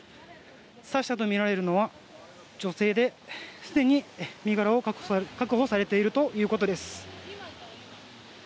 刺したとみられるのは女性ですでに身柄を確保されているということです。